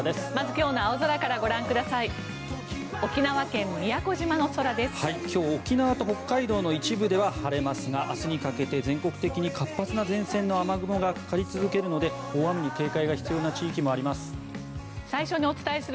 今日、沖縄と北海道の一部では晴れますが明日にかけて全国的に活発な前線の雨雲がかかり続けるので大雨に警戒が必要な地域もあります。